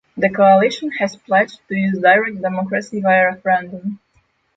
The coalition has pledged to use direct democracy via referendum.